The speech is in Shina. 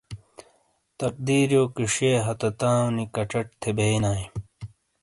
تقدیریو کِیشئے ہتہ تاؤں نی کَچٹ تھے بئیے نائے۔